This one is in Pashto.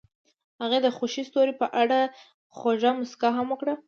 هغې د خوښ ستوري په اړه خوږه موسکا هم وکړه.